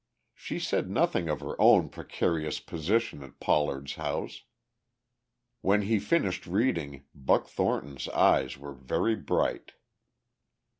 She said nothing of her own precarious position at Pollard's house. When he finished reading Buck Thornton's eyes were very bright.